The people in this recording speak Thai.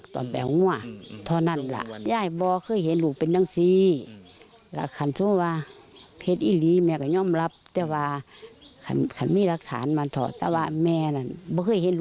ถ้าผลมันออกมาสามารถยังไม่มีหลักฐานอะไรเลยที่จะมาบอกว่าลูกแม่ผิดจริงแม่ก็พร้อมจะยอมรับ